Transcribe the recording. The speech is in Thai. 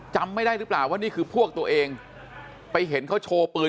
จำไม่ได้หรือเปล่าว่านี่คือพวกตัวเองไปเห็นเขาโชว์ปืน